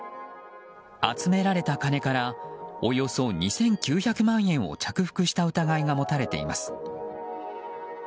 集められた金からおよそ２９００万円を着服した疑いが持たれています。